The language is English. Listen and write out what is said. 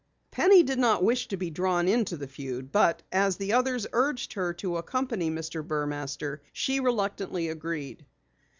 Penny did not wish to be drawn into the feud, but as the others urged her to accompany Mr. Burmaster, she reluctantly agreed.